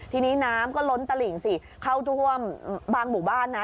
ทีนี้น้ำก็ล้นตลิ่งสิเข้าท่วมบางหมู่บ้านนะ